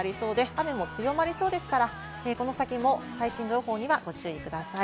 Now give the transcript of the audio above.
雨も強まりそうですから、この先も最新情報にはご注意ください。